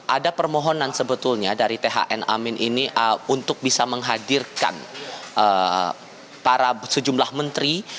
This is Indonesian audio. ada permohonan sebetulnya dari thn amin ini untuk bisa menghadirkan para sejumlah menteri